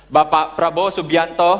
bapak prabowo subianto